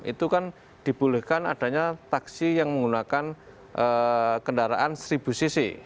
itu kan dibolehkan adanya taksi yang menggunakan kendaraan seribu cc